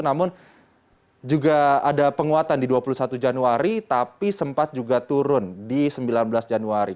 namun juga ada penguatan di dua puluh satu januari tapi sempat juga turun di sembilan belas januari